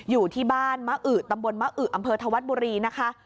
อยู่ที่บ้านมะอึตำบลมะอึอำเภอธวัฒน์บุรีนะคะ